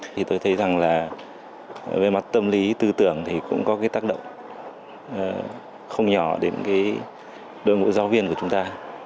thì tôi thấy rằng là về mặt tâm lý tư tưởng thì cũng có cái tác động không nhỏ đến cái đội ngũ giáo viên của chúng ta